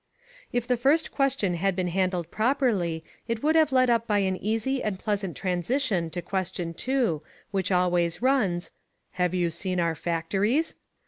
If the first question had been handled properly it would have led up by an easy and pleasant transition to question two, which always runs: "Have you seen our factories?"